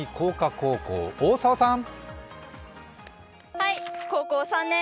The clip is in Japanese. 高校大澤さん。